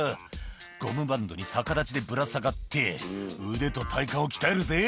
「ゴムバンドに逆立ちでぶら下がって腕と体幹を鍛えるぜ」